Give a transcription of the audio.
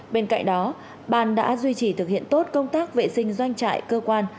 bên cạnh đó ban đã duy trì thực hiện tốt công tác vệ sinh doanh trại cơ quan